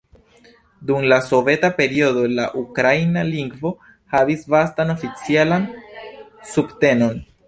Dum la soveta periodo, la ukraina lingvo havis vastan oficialan subtenon.